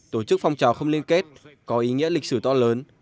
tổ chức phong trào không liên kết có ý nghĩa lịch sử to lớn